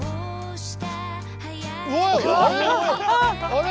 あれ？